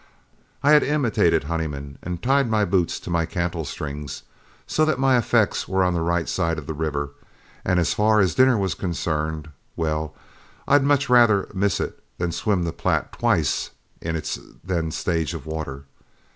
I had imitated Honeyman, and tied my boots to my cantle strings, so that my effects were on the right side of the river; and as far as dinner was concerned, well, I'd much rather miss it than swim the Platte twice in its then stage of water.